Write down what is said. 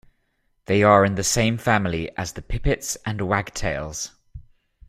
They are in the same family as the pipits and wagtails.